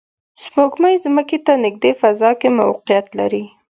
سپوږمۍ ځمکې ته نږدې فضا کې موقعیت لري